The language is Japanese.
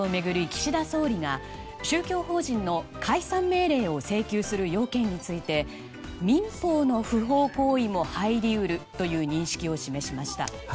岸田総理が宗教法人の解散命令を請求する要件について民法の不法行為も入りうるという認識を示しました。